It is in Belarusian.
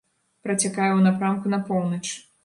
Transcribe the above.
Працякае ў напрамку на поўнач.